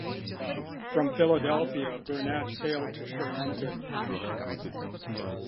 From Philadelphia Burnett sailed to Charente.